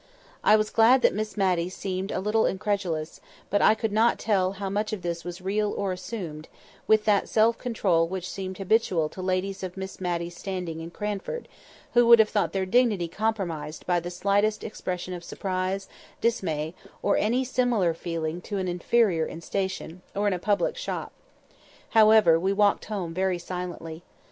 I was glad that Miss Matty seemed still a little incredulous; but I could not tell how much of this was real or assumed, with that self control which seemed habitual to ladies of Miss Matty's standing in Cranford, who would have thought their dignity compromised by the slightest expression of surprise, dismay, or any similar feeling to an inferior in station, or in a public shop. However, we walked home very silently.